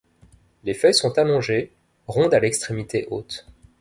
Les feuilles sont allongées, rondes à l'extrémité haute.